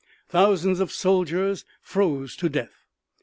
Thousands of soldiers froze to death.